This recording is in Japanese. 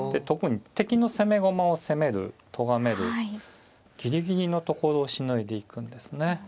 特に敵の攻め駒を責めるとがめるギリギリのところをしのいでいくんですね。